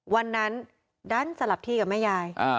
วันนั้นดันสลับที่กับแม่ยาย